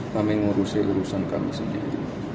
kami ngurusi urusan kami sendiri